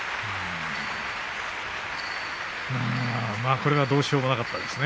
これはどうしようもなかったですね。